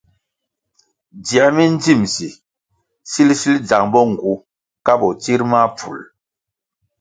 Dzier mi ndzimsi sil sil dzang bo ngu ka botsir mahpful.